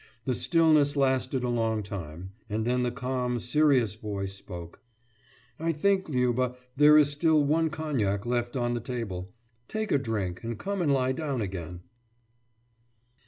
The stillness lasted a long time; and then the calm, serious voice spoke: »I think, Liuba, there is still one cognac left on the table. Take a drink and come and lie down again.